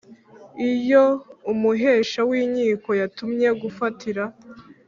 Iyo umuhesha w inkiko yatumwe gufatira